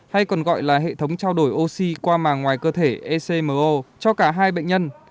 hay còn gọi là hệ thống trao đổi oxy qua màng ngoài cơ thể ecmo cho cả hai bệnh nhân